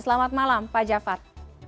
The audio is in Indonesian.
selamat malam pak jafar